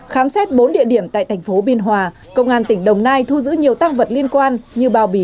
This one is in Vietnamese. khám xét bốn địa điểm tại thành phố biên hòa công an tỉnh đồng nai thu giữ nhiều tăng vật liên quan như bao bì